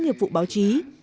nghiệp vụ báo chí